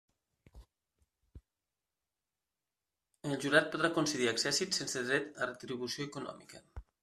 El jurat podrà concedir accèssits sense dret a retribució econòmica.